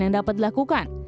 yang dapat dilakukan